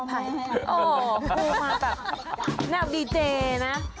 โอ้โฮพรุ่งมาแบบนับดีเจนะ